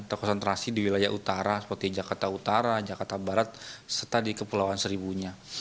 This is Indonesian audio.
terkonsentrasi di wilayah utara seperti jakarta utara jakarta barat serta di kepulauan seribu nya